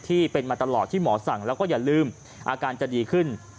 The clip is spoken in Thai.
ที่เป็นมาตลอดที่หมอสั่งแล้วก็อย่าลืมอาการจะดีขึ้น